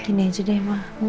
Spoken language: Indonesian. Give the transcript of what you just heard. gini aja deh ma